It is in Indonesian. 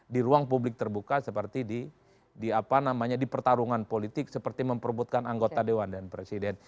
di ruang publik terbuka seperti di pertarungan politik seperti memperbutkan anggota dewan dan presiden